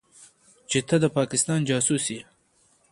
چې ته د پاکستان جاسوس يې.